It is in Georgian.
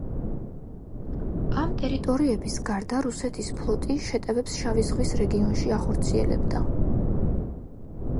ამ ტერიტორიების გარდა რუსეთის ფლოტი შეტევებს შავი ზღვის რეგიონში ანხორციელებდა.